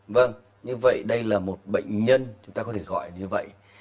vâng như vậy đây là một bệnh nhân chúng ta có thể gọi như vậy